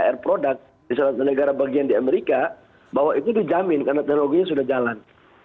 air product di salah satu negara bagian di amerika bahwa itu dijamin karena teknologinya sudah jalan